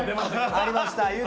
ありました。